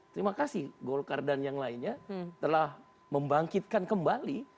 terima kasih golkar dan yang lainnya telah membangkitkan kembali